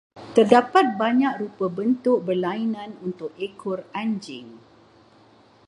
Terdapat banyak rupa bentuk berlainan untuk ekor anjing.